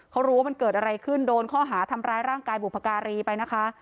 เขารู้ว่ามันเกิดอะไรขึ้นโดนข้อหาทำร้ายร่างกายบุพการีไปนะคะ